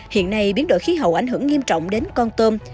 hiện nay biến đổi khí hậu ảnh hưởng nghiêm trọng đến con tôm